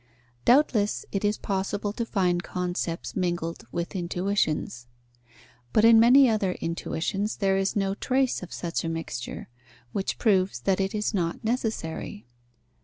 Doubtless it is possible to find concepts mingled with intuitions. But in many other intuitions there is no trace of such a mixture, which proves that it is not necessary.